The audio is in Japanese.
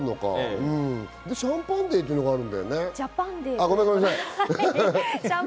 ジャパンデーっていうの、あるんだよね。